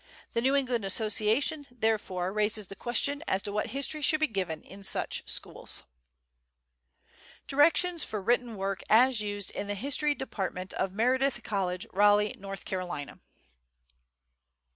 The New England Association, therefore, raises the question as to what history should be given in such schools." DIRECTIONS FOR WRITTEN WORK AS USED IN THE HISTORY DEPARTMENT OF MEREDITH COLLEGE, RALEIGH, NORTH CAROLINA.